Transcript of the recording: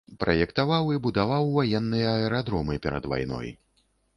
Праектаваў і будаваў ваенныя аэрадромы перад вайной.